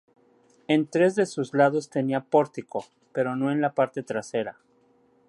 En tres de sus lados tenía pórtico, pero no en la parte trasera.